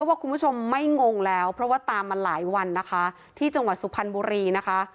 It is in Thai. ว่าคุณผู้ชมไม่งงแล้วเพราะว่าตามมาหลายวันนะคะที่จังหวัดสุพรรณบุรีนะคะ